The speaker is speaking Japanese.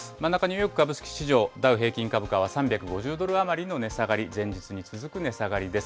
真ん中、ニューヨーク株式市場ダウ平均株価は３５０ドル余りの値下がり、前日に続く値下がりです。